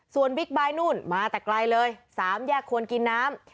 ส่วนบิ๊กไบท์นู่นมาแต่ไกลเลย๓แยกควรกินน้ำ